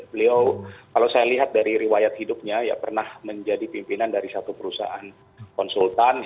beliau kalau saya lihat dari riwayat hidupnya ya pernah menjadi pimpinan dari satu perusahaan konsultan